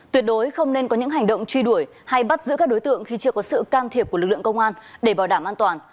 tuyệt đối không nên có những hành động truy đuổi hay bắt giữ các đối tượng khi chưa có sự can thiệp của lực lượng công an để bảo đảm an toàn